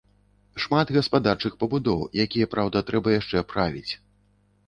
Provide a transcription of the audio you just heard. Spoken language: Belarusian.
Шмат гаспадарчых пабудоў, якія, праўда, трэба яшчэ правіць.